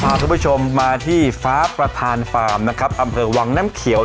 ทุกผู้ชมมาที่ฟ้าประธานฟาร์มนะครับอำเภอวังน้ำเขียว